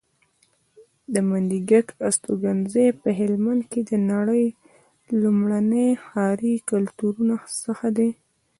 د منډیګک استوګنځی په هلمند کې د نړۍ لومړني ښاري کلتورونو څخه دی